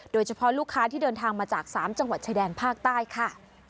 โดยเฉพาะลูกค้าที่เดินทางมาจาก๓จังหวัดชายแดนภาคใต้ค่ะ